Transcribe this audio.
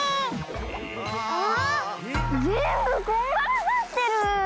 ああぜんぶこんがらがってる。